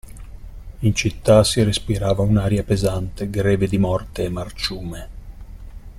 In città si respirava un'aria pesante, greve di morte e marciume.